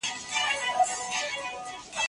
ماهر د ساعت په اړه څه فکر کوي؟